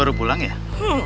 sujuq si papa